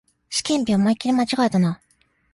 試験日、思いっきり間違えたな